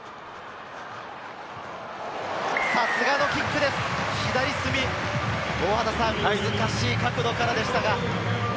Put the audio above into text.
さすがのキックです、左隅、難しい角度からでした。